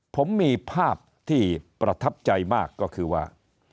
ผมมีภาพที่ประทับใจมากก็คือว่า